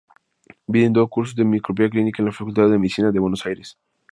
Brindó cursos de microscopía clínica en la Facultad de Medicina de Buenos Aires.